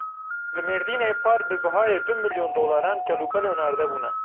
Li Mêrdînê par bi bihayê du milyon dolaran kelûpel hinarde bûne.